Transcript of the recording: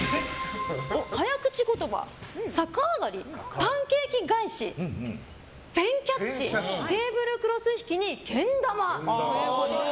早口言葉、逆上がりパンケーキ返しペンキャッチテーブルクロス引きにけん玉。